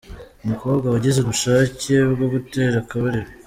Umukobwa wagize ubushake bwo gutera akabariro.